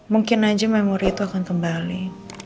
mungkin aja memori itu akan kembali